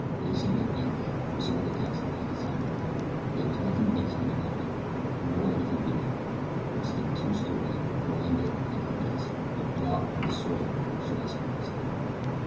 Grayson, evidently, or some other Texan, had designed it. There was nothing Mexican about it, nor anything beautiful. It stood two storied, verandaed and hideous, a blot upon the soil of picturesque Mexico.